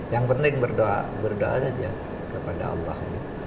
yang penting berdoa berdoa saja kepada allah